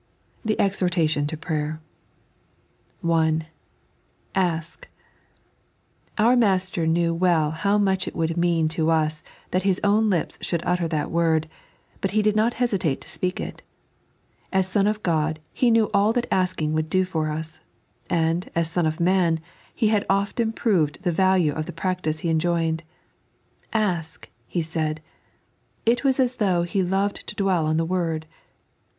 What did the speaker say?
The Exhobtatioh to Pratek. (1) Ask. Our Master knew well how much it would mean to us that His own lips should utter that word, but He did not hesitate to speak it. As Son of God, He knew all that asking would do for us; and, as Son of Man, He had often proved the value of the practice He enjcuned. Ask, He said. It was as though He loved to dwell on the word.